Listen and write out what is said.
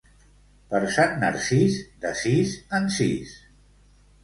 Per Sant Narcís, de sis en sis.